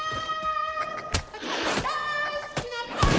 わたしのだいすきなパン。